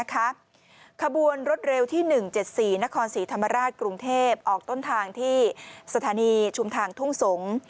ขบวนรถเร็วที่๑๗๔นครศรีธรรมราชกรุงเทพออกต้นทางที่สถานีชุมทางทุ่งสงศ์